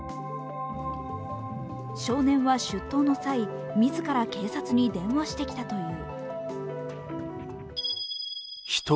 少年は出頭の際、自ら警察に電話してきたという。